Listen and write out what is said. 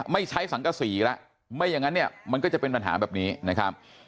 ไม่ใช้สังกษีแล้วไม่อย่างนั้นเนี่ยมันก็จะเป็นปัญหาแบบนี้นะครับ